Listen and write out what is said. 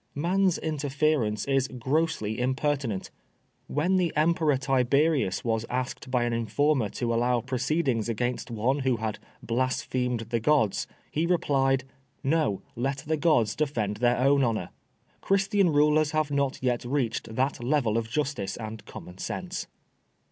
Man's interference is grossly impertinent. When the emperor Tiberius was asked by an informer to allow proceedings against 42 PRISONER FOR BLASPHEMY. one who had " blasphemed the gods," he replied :" No^ let the gods defend their own honor." Christian mlers have not yet reached that level of justice and common sense.